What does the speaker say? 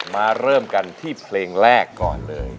มาเริ่มกันที่เพลงแรกก่อนเลย